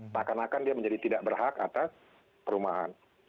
maka makanya dia menjadi tidak berhak atas perumahan